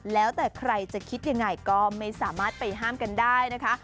แล้วแต่ใครจะคิดยังไงก็ไม่สามารถไปห้ามกันได้นะคะ